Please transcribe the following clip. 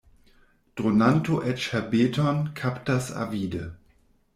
Dronanto eĉ herbeton kaptas avide.